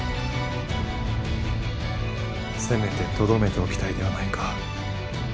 せめてとどめておきたいではないか。